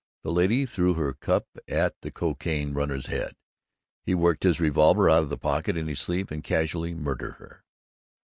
The lady threw her cup at the cocaine runner's head. He worked his revolver out of the pocket in his sleeve, and casually murdered her.